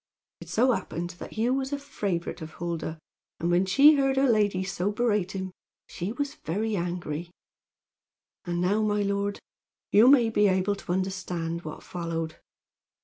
It so happened that Hugh was a favorite with Huldah; and when she heard her lady so berate him she was very angry. "And now, my lord, you may be able to understand what followed.